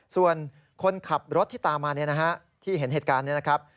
ส่วนคนขับรถที่ตามมาที่เห็นเหตุการณ์นี้นะครับ